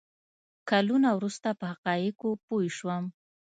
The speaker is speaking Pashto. کلونه وروسته په حقایقو پوه شوم.